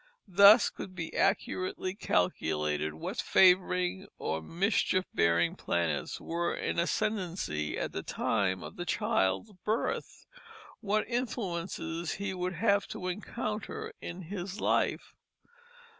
Thus could be accurately calculated what favoring or mischief bearing planets were in ascendency at the time of the child's birth; what influences he would have to encounter in life.